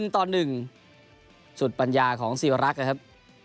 ๑ตอน๑สุดปัญญาของสีวรักษ์ครับ